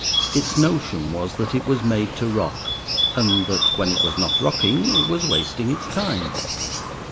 Its notion was that it was made to rock, and that when it was not rocking, it was wasting its time.